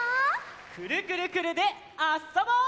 「くるくるくるっ」であっそぼう！